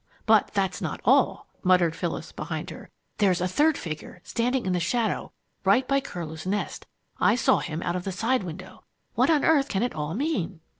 "But that's not all!" muttered Phyllis, behind her. "There's a third figure standing in the shadow right by Curlew's Nest. I saw him out of the side window. What on earth can it all mean?"